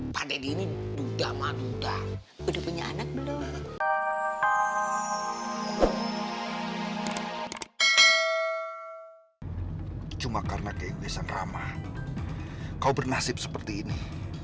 pada dini duda mada udah punya anak belum cuma karena kewesan ramah kau bernasib seperti ini